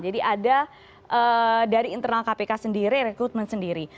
jadi ada dari internal kpk sendiri rekrutmen sendiri